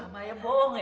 sama aja bohong ya